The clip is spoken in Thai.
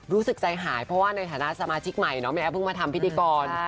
รู้สึกใจหายเพราะว่าในฐานะสมาชิกใหม่เนาะแม่แอฟเพิ่งมาทำพิธีกร